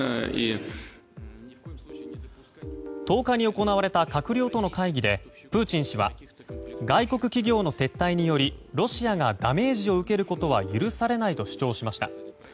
１０日に行われた閣僚との会議で、プーチン氏は外国企業の撤退によりロシアがダメージを受けることは許されないと主張しました。